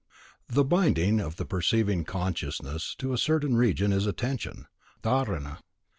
The binding of the perceiving consciousness to a certain region is attention (dharana).